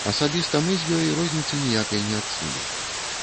Асабіста мы з ёй розніцы ніякай не адчулі.